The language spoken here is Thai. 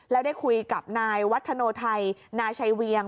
แล้วได้คุยกับนายวัฒโนไทยนาชัยเวียง